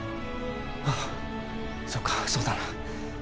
ああそっかそうだな。